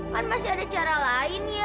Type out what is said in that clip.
kan masih ada cara lain ya